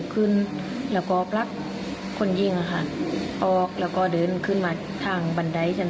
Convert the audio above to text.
ขึ้นพรรคขนยิงค่ะออกแล้วก็เดินขึ้นมาทางบันไดจน